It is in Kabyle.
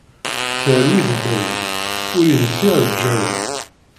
Terwi, tebberwi, ur infiε lǧawi.